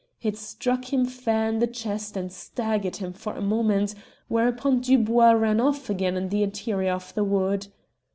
It struck him fair in the chest and staggered him for a moment, whereupon Dubois ran off again into the interior of the wood.